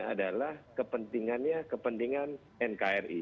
adalah kepentingannya kepentingan nkri